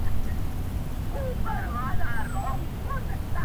ما ستا په شربتي سونډو خمار مات کړی دی;